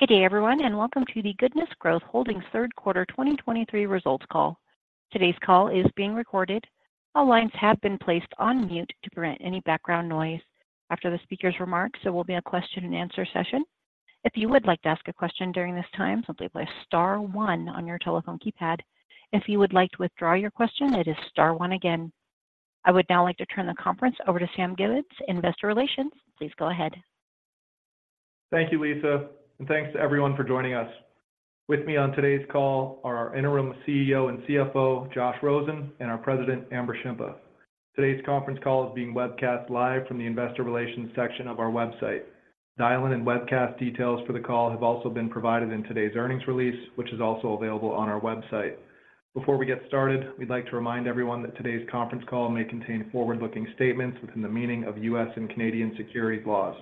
Good day, everyone, and welcome to the Goodness Growth Holdings Third Quarter 2023 results call. Today's call is being recorded. All lines have been placed on mute to prevent any background noise. After the speaker's remarks, there will be a question-and-answer session. If you would like to ask a question during this time, simply press star one on your telephone keypad. If you would like to withdraw your question, it is star one again. I would now like to turn the conference over to Sam Gibbons, Investor Relations. Please go ahead. Thank you, Lisa, and thanks to everyone for joining us. With me on today's call are our Interim CEO and CFO, Josh Rosen, and our President, Amber Shimpa. Today's conference call is being webcast live from the Investor Relations section of our website. Dial-in and webcast details for the call have also been provided in today's earnings release, which is also available on our website. Before we get started, we'd like to remind everyone that today's conference call may contain forward-looking statements within the meaning of U.S. and Canadian securities laws.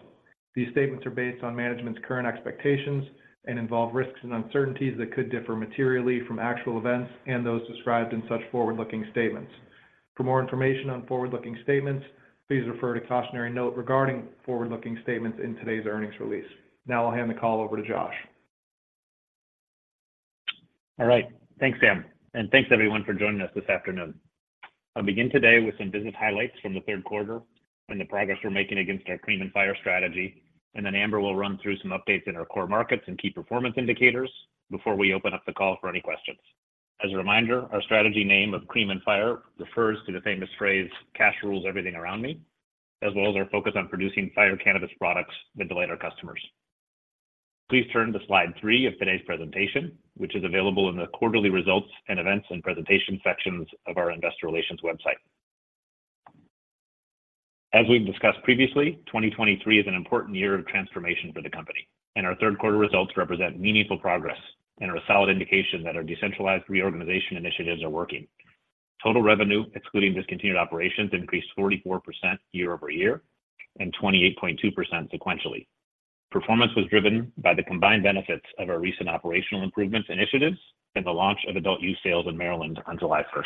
These statements are based on management's current expectations and involve risks and uncertainties that could differ materially from actual events and those described in such forward-looking statements. For more information on forward-looking statements, please refer to cautionary note regarding forward-looking statements in today's earnings release. Now I'll hand the call over to Josh. All right. Thanks, Sam, and thanks everyone for joining us this afternoon. I'll begin today with some business highlights from the third quarter and the progress we're making against our C.R.E.A.M. and Fire strategy, and then Amber will run through some updates in our core markets and key performance indicators before we open up the call for any questions. As a reminder, our strategy name of C.R.E.A.M. and Fire refers to the famous phrase, "Cash rules everything around me," as well as our focus on producing fire cannabis products that delight our customers. Please turn to slide three of today's presentation, which is available in the Quarterly Results and Events and Presentation sections of our Investor Relations website. As we've discussed previously, 2023 is an important year of transformation for the company, and our third quarter results represent meaningful progress and are a solid indication that our decentralized reorganization initiatives are working. Total revenue, excluding discontinued operations, increased 44% year-over-year and 28.2% sequentially. Performance was driven by the combined benefits of our recent operational improvements initiatives and the launch of adult use sales in Maryland on July 1st.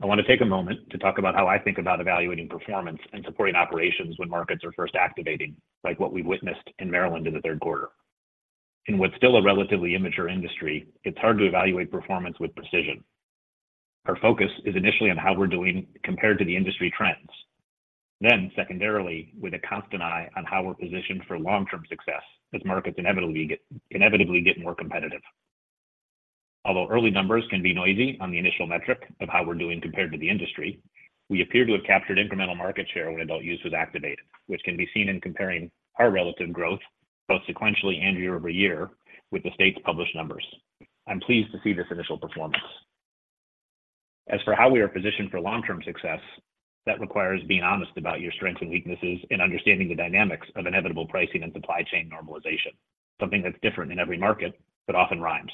I want to take a moment to talk about how I think about evaluating performance and supporting operations when markets are first activating, like what we witnessed in Maryland in the third quarter. In what's still a relatively immature industry, it's hard to evaluate performance with precision. Our focus is initially on how we're doing compared to the industry trends, then secondarily, with a constant eye on how we're positioned for long-term success as markets inevitably get more competitive. Although early numbers can be noisy on the initial metric of how we're doing compared to the industry, we appear to have captured incremental market share when adult use was activated, which can be seen in comparing our relative growth, both sequentially and year-over-year, with the state's published numbers. I'm pleased to see this initial performance. As for how we are positioned for long-term success, that requires being honest about your strengths and weaknesses and understanding the dynamics of inevitable pricing and supply chain normalization, something that's different in every market but often rhymes.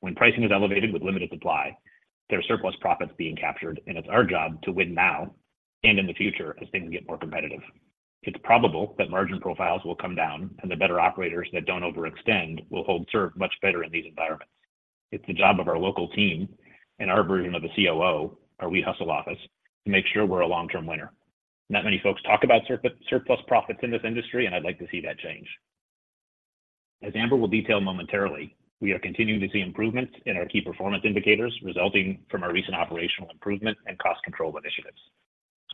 When pricing is elevated with limited supply, there are surplus profits being captured, and it's our job to win now and in the future as things get more competitive. It's probable that margin profiles will come down, and the better operators that don't overextend will hold serve much better in these environments. It's the job of our local team and our version of a COO, our WeHustle Office, to make sure we're a long-term winner. Not many folks talk about surplus profits in this industry, and I'd like to see that change. As Amber will detail momentarily, we are continuing to see improvements in our key performance indicators, resulting from our recent operational improvement and cost control initiatives,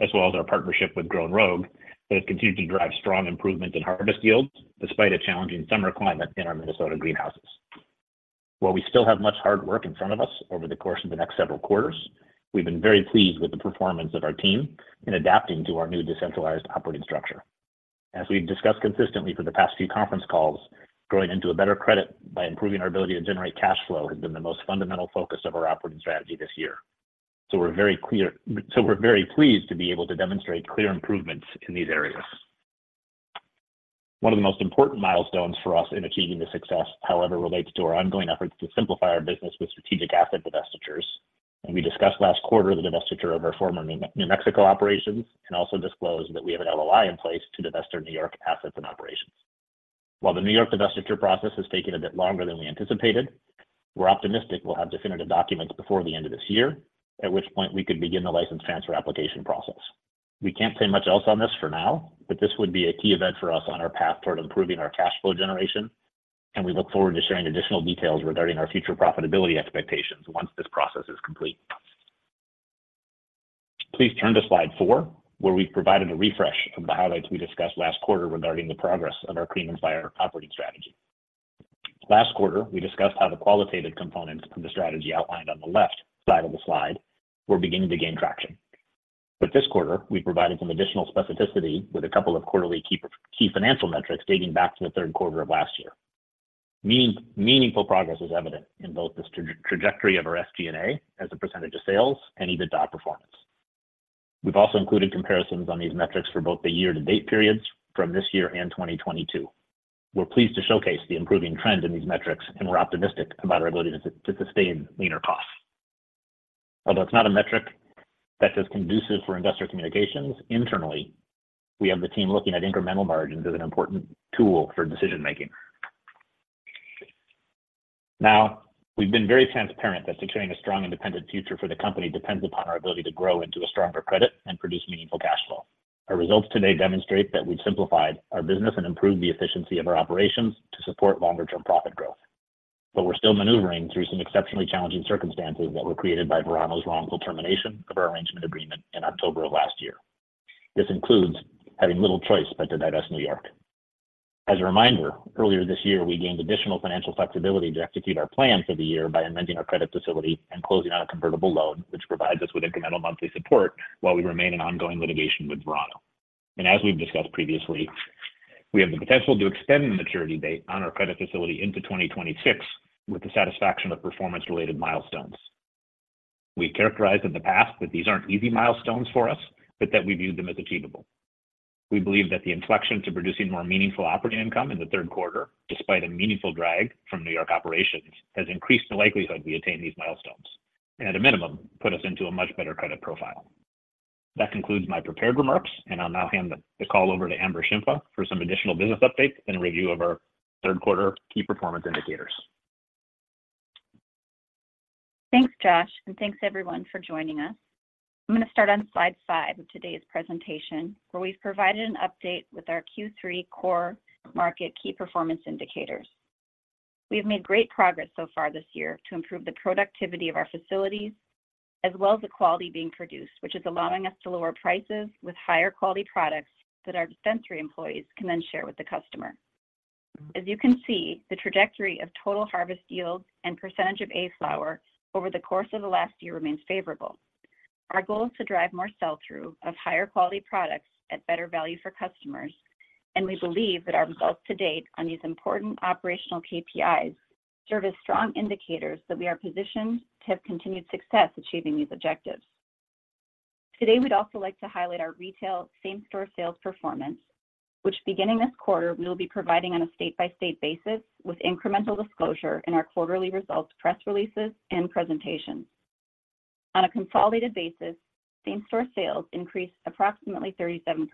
as well as our partnership with Grown Rogue, that has continued to drive strong improvement in harvest yields despite a challenging summer climate in our Minnesota greenhouses. While we still have much hard work in front of us over the course of the next several quarters, we've been very pleased with the performance of our team in adapting to our new decentralized operating structure. As we've discussed consistently for the past few conference calls, growing into a better credit by improving our ability to generate cash flow has been the most fundamental focus of our operating strategy this year. So we're very pleased to be able to demonstrate clear improvements in these areas. One of the most important milestones for us in achieving this success, however, relates to our ongoing efforts to simplify our business with strategic asset divestitures. We discussed last quarter the divestiture of our former New Mexico operations and also disclosed that we have an LOI in place to divest our New York assets and operations. While the New York divestiture process has taken a bit longer than we anticipated, we're optimistic we'll have definitive documents before the end of this year, at which point we could begin the license transfer application process. We can't say much else on this for now, but this would be a key event for us on our path toward improving our cash flow generation, and we look forward to sharing additional details regarding our future profitability expectations once this process is complete. Please turn to slide four, where we've provided a refresh of the highlights we discussed last quarter regarding the progress of our C.R.E.A.M. and Fire operating strategy. Last quarter, we discussed how the qualitative components of the strategy outlined on the left side of the slide were beginning to gain traction. But this quarter, we provided some additional specificity with a couple of quarterly key financial metrics dating back to the third quarter of last year. Meaningful progress is evident in both the trajectory of our SG&A as a percentage of sales and EBITDA performance. We've also included comparisons on these metrics for both the year-to-date periods from this year and 2022. We're pleased to showcase the improving trends in these metrics, and we're optimistic about our ability to sustain leaner costs. Although it's not a metric that is conducive for investor communications, internally, we have the team looking at incremental margins as an important tool for decision making.... Now, we've been very transparent that securing a strong independent future for the company depends upon our ability to grow into a stronger credit and produce meaningful cash flow. Our results today demonstrate that we've simplified our business and improved the efficiency of our operations to support longer-term profit growth. We're still maneuvering through some exceptionally challenging circumstances that were created by Verano's wrongful termination of our arrangement agreement in October of last year. This includes having little choice but to divest New York. As a reminder, earlier this year, we gained additional financial flexibility to execute our plan for the year by amending our credit facility and closing on a convertible loan, which provides us with incremental monthly support while we remain in ongoing litigation with Verano. As we've discussed previously, we have the potential to extend the maturity date on our credit facility into 2026, with the satisfaction of performance-related milestones. We've characterized in the past that these aren't easy milestones for us, but that we view them as achievable. We believe that the inflection to producing more meaningful operating income in the third quarter, despite a meaningful drag from New York operations, has increased the likelihood we attain these milestones, and at a minimum, put us into a much better credit profile. That concludes my prepared remarks, and I'll now hand the call over to Amber Shimpa for some additional business updates and a review of our third quarter key performance indicators. Thanks, Josh, and thanks everyone for joining us. I'm gonna start on slide five of today's presentation, where we've provided an update with our Q3 core market key performance indicators. We have made great progress so far this year to improve the productivity of our facilities, as well as the quality being produced, which is allowing us to lower prices with higher quality products that our dispensary employees can then share with the customer. As you can see, the trajectory of total harvest yields and percentage of A-flower over the course of the last year remains favorable. Our goal is to drive more sell-through of higher quality products at better value for customers, and we believe that our results to date on these important operational KPIs serve as strong indicators that we are positioned to have continued success achieving these objectives. Today, we'd also like to highlight our retail Same-Store Sales performance, which beginning this quarter, we will be providing on a state-by-state basis with incremental disclosure in our quarterly results, press releases, and presentations. On a consolidated basis, Same-Store Sales increased approximately 37%.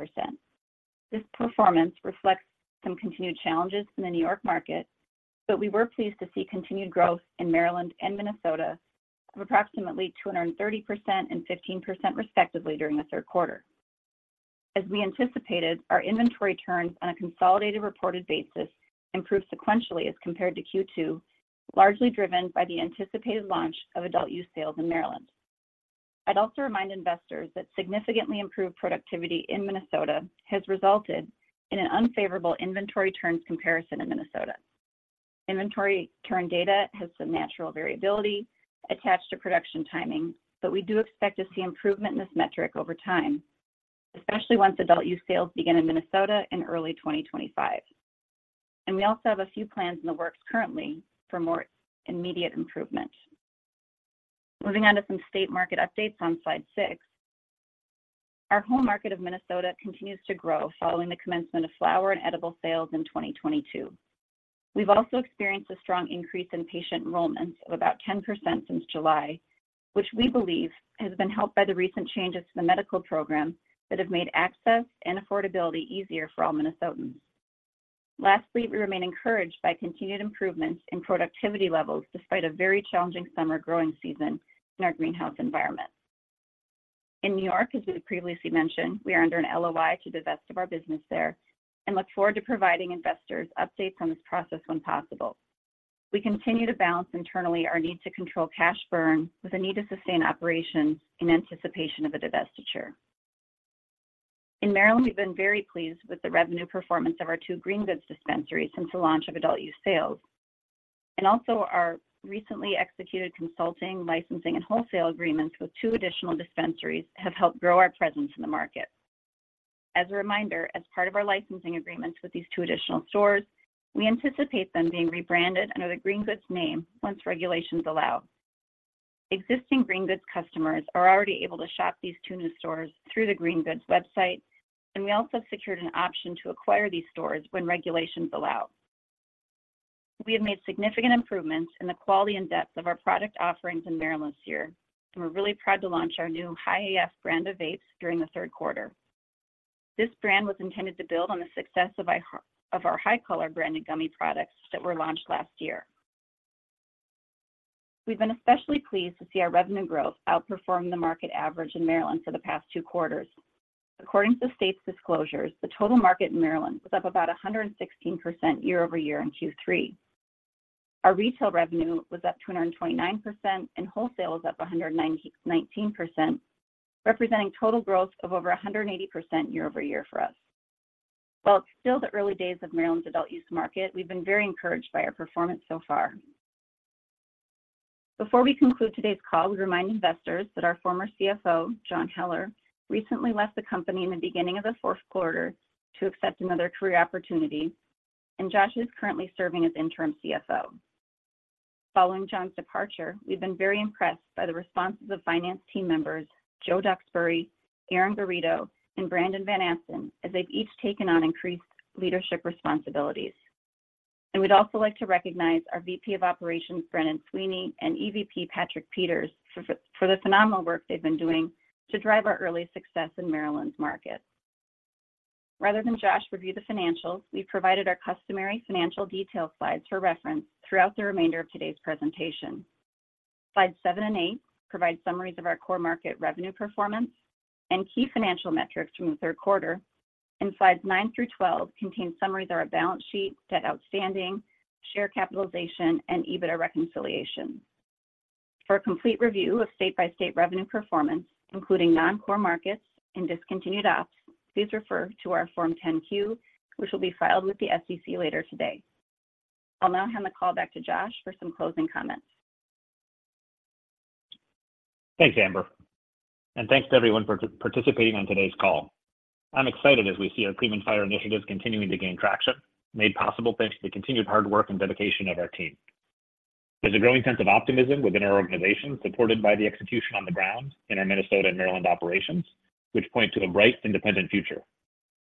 This performance reflects some continued challenges in the New York market, but we were pleased to see continued growth in Maryland and Minnesota of approximately 230% and 15% respectively during the third quarter. As we anticipated, our Inventory Turns on a consolidated reported basis improved sequentially as compared to Q2, largely driven by the anticipated launch of adult-use sales in Maryland. I'd also remind investors that significantly improved productivity in Minnesota has resulted in an unfavorable Inventory Turns comparison in Minnesota. Inventory turn data has some natural variability attached to production timing, but we do expect to see improvement in this metric over time, especially once adult use sales begin in Minnesota in early 2025. We also have a few plans in the works currently for more immediate improvement. Moving on to some state market updates on Slide six. Our home market of Minnesota continues to grow following the commencement of flower and edible sales in 2022. We've also experienced a strong increase in patient enrollments of about 10% since July, which we believe has been helped by the recent changes to the medical program that have made access and affordability easier for all Minnesotans. Lastly, we remain encouraged by continued improvements in productivity levels despite a very challenging summer growing season in our greenhouse environment. In New York, as we previously mentioned, we are under an LOI to divest of our business there and look forward to providing investors updates on this process when possible. We continue to balance internally our need to control cash burn with a need to sustain operations in anticipation of a divestiture. In Maryland, we've been very pleased with the revenue performance of our two Green Goods dispensaries since the launch of adult-use sales, and also our recently executed consulting, licensing, and wholesale agreements with two additional dispensaries have helped grow our presence in the market. As a reminder, as part of our licensing agreements with these two additional stores, we anticipate them being rebranded under the Green Goods name once regulations allow. Existing Green Goods customers are already able to shop these two new stores through the Green Goods website, and we also secured an option to acquire these stores when regulations allow. We have made significant improvements in the quality and depth of our product offerings in Maryland this year, and we're really proud to launch our new Hi-AF brand of vapes during the third quarter. This brand was intended to build on the success of our Hi-Color branded gummy products that were launched last year. We've been especially pleased to see our revenue growth outperform the market average in Maryland for the past two quarters. According to the state's disclosures, the total market in Maryland was up about 116% year-over-year in Q3. Our retail revenue was up 229%, and wholesale was up 119%, representing total growth of over 180% year-over-year for us. While it's still the early days of Maryland's adult use market, we've been very encouraged by our performance so far. Before we conclude today's call, we remind investors that our former CFO, John Heller, recently left the company in the beginning of the fourth quarter to accept another career opportunity, and Josh is currently serving as interim CFO. Following John's departure, we've been very impressed by the responses of finance team members, Joe Duxbury, Erin Garrido, and Brandon Van Asten, as they've each taken on increased leadership responsibilities. We'd also like to recognize our VP of Operations, Brennen Sweeney, and EVP, Patrick Peters, for the phenomenal work they've been doing to drive our early success in Maryland's market. Rather than Josh review the financials, we've provided our customary financial detail slides for reference throughout the remainder of today's presentation. Slides seven and eight provide summaries of our core market revenue performance and key financial metrics from the third quarter, and slides nine through 12 contain summaries of our balance sheet, debt outstanding, share capitalization, and EBITDA reconciliation. For a complete review of state-by-state revenue performance, including non-core markets and discontinued ops, please refer to our Form 10-Q, which will be filed with the SEC later today. I'll now hand the call back to Josh for some closing comments. Thanks, Amber, and thanks to everyone for participating on today's call. I'm excited as we see our CREAM & Fire initiatives continuing to gain traction, made possible thanks to the continued hard work and dedication of our team. There's a growing sense of optimism within our organization, supported by the execution on the ground in our Minnesota and Maryland operations, which point to a bright, independent future.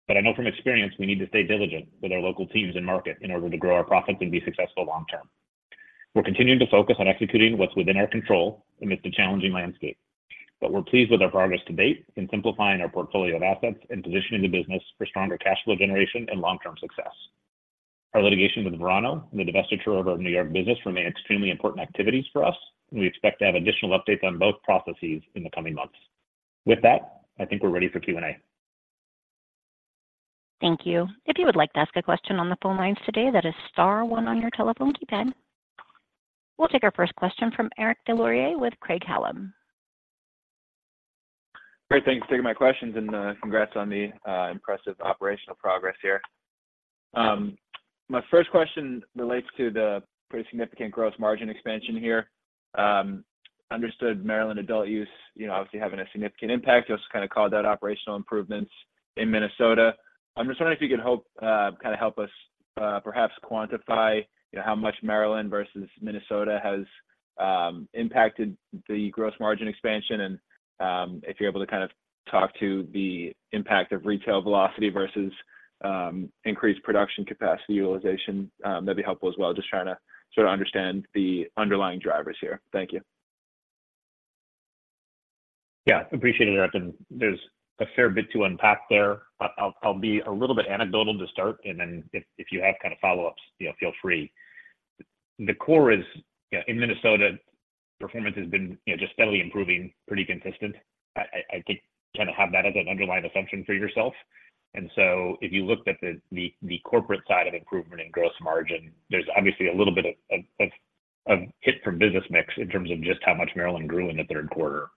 But I know from experience we need to stay diligent with our local teams and market in order to grow our profits and be successful long term. We're continuing to focus on executing what's within our control amidst a challenging landscape, but we're pleased with our progress to date in simplifying our portfolio of assets and positioning the business for stronger cash flow generation and long-term success. Our litigation with Verano and the divestiture of our New York business remain extremely important activities for us, and we expect to have additional updates on both processes in the coming months. With that, I think we're ready for Q&A. Thank you. If you would like to ask a question on the phone lines today, that is star one on your telephone keypad. We'll take our first question from Eric Des Lauriers with Craig-Hallum. Great, thanks for taking my questions, and, congrats on the, impressive operational progress here. My first question relates to the pretty significant gross margin expansion here. Understood Maryland adult use, you know, obviously having a significant impact. You also kind of called out operational improvements in Minnesota. I'm just wondering if you could help, kind of help us, perhaps quantify, you know, how much Maryland versus Minnesota has, impacted the gross margin expansion. If you're able to kind of talk to the impact of retail velocity versus, increased production capacity utilization, that'd be helpful as well. Just trying to sort of understand the underlying drivers here. Thank you. Yeah, appreciate it, Eric, and there's a fair bit to unpack there. I'll be a little bit anecdotal to start, and then if you have kind of follow-ups, you know, feel free. The core is, yeah, in Minnesota, performance has been, you know, just steadily improving, pretty consistent. I think kind of have that as an underlying assumption for yourself. And so if you looked at the corporate side of improvement in gross margin, there's obviously a little bit of hit from business mix in terms of just how much Maryland grew in the third quarter.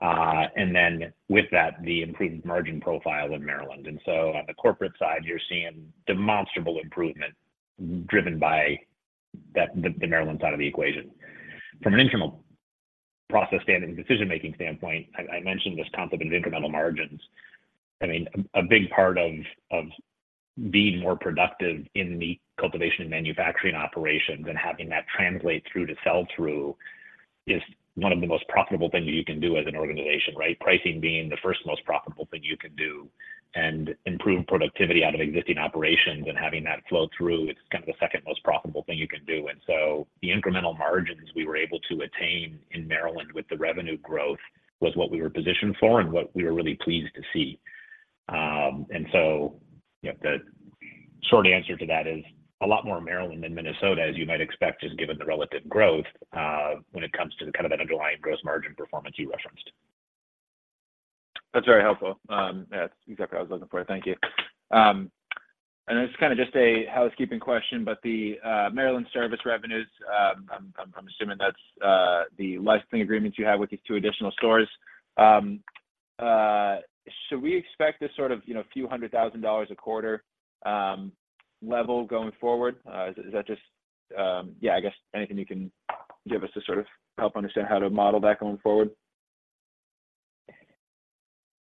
And then with that, the improved margin profile in Maryland. And so on the corporate side, you're seeing demonstrable improvement driven by the Maryland side of the equation. From an internal process standing and decision-making standpoint, I mentioned this concept of incremental margins. I mean, a big part of being more productive in the cultivation and manufacturing operations and having that translate through to sell-through is one of the most profitable things you can do as an organization, right? Pricing being the first most profitable thing you can do, and improving productivity out of existing operations and having that flow through, it's kind of the second most profitable thing you can do. And so the incremental margins we were able to attain in Maryland with the revenue growth was what we were positioned for and what we were really pleased to see. And so, yeah, the short answer to that is a lot more Maryland than Minnesota, as you might expect, just given the relative growth, when it comes to the kind of that underlying gross margin performance you referenced. That's very helpful. That's exactly what I was looking for. Thank you. And it's kind of just a housekeeping question, but the Maryland service revenues, I'm assuming that's the licensing agreements you have with these two additional stores. Should we expect this sort of, you know, a few hundred thousand dollars a quarter level going forward? Is that just... Yeah, I guess anything you can give us to sort of help understand how to model that going forward?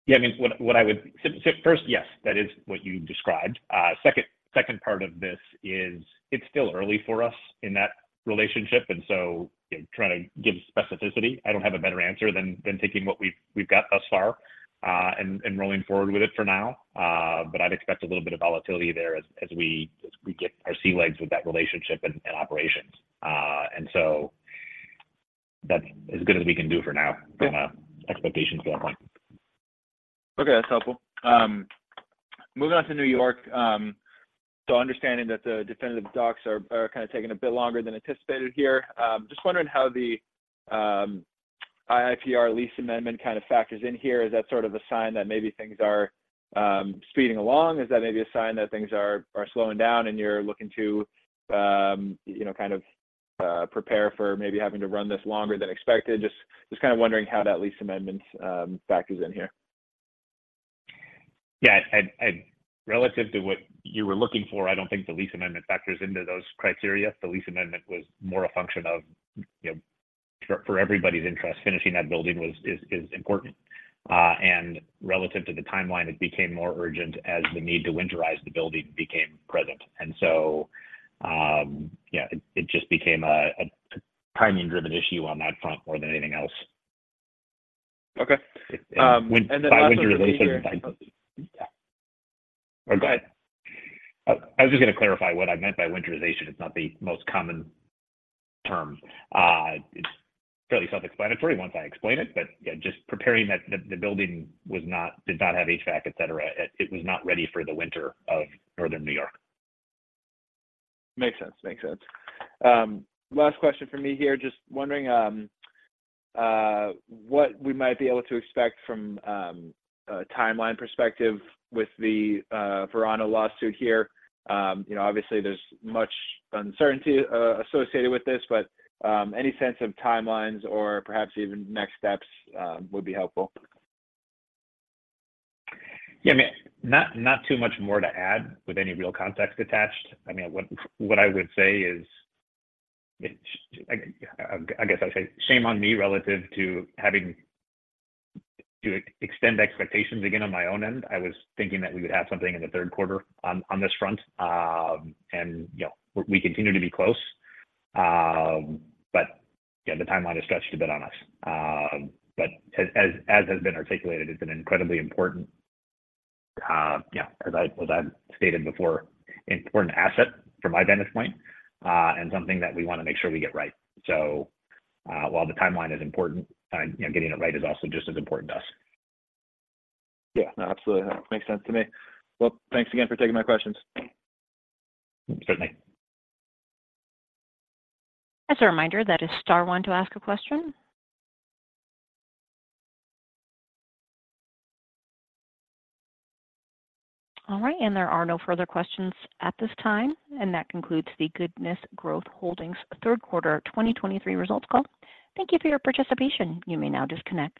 Yeah, I mean, what I would... So first, yes, that is what you described. Second part of this is it's still early for us in that relationship, and so, you know, trying to give specificity, I don't have a better answer than taking what we've got thus far, and rolling forward with it for now. But I'd expect a little bit of volatility there as we get our sea legs with that relationship and operations. And so that's as good as we can do for now. Yeah... from an expectation standpoint. Okay, that's helpful. Moving on to New York, so understanding that the definitive docs are, are kind of taking a bit longer than anticipated here, just wondering how the, IIPR lease amendment kind of factors in here. Is that sort of a sign that maybe things are, speeding along? Is that maybe a sign that things are, are slowing down, and you're looking to, you know, kind of, prepare for maybe having to run this longer than expected? Just, just kind of wondering how that lease amendment, factors in here. Yeah, and relative to what you were looking for, I don't think the lease amendment factors into those criteria. The lease amendment was more a function of, you know, for everybody's interest, finishing that building is important. And relative to the timeline, it became more urgent as the need to winterize the building became present. And so, yeah, it just became a timing-driven issue on that front more than anything else. Okay, and then- By winterization... Go ahead. I was just going to clarify what I meant by winterization. It's not the most common term. It's fairly self-explanatory once I explain it, but, yeah, just preparing that the building was not--did not have HVAC, et cetera. It was not ready for the winter of northern New York. Makes sense. Makes sense. Last question for me here. Just wondering, what we might be able to expect from, a timeline perspective with the, Verano lawsuit here. You know, obviously there's much uncertainty, associated with this, but, any sense of timelines or perhaps even next steps, would be helpful. Yeah, I mean, not too much more to add with any real context attached. I mean, what I would say is, I guess I'd say shame on me relative to having to extend expectations again on my own end. I was thinking that we would have something in the third quarter on this front. And, you know, we continue to be close. But yeah, the timeline has stretched a bit on us. But as has been articulated, it's an incredibly important, yeah, as I've stated before, important asset from my vantage point, and something that we want to make sure we get right. So, while the timeline is important, you know, getting it right is also just as important to us. Yeah, no, absolutely. Makes sense to me. Well, thanks again for taking my questions. Certainly. As a reminder, that is star one to ask a question. All right, and there are no further questions at this time, and that concludes the Goodness Growth Holdings third quarter 2023 results call. Thank you for your participation. You may now disconnect.